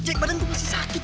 jack badan lu masih sakit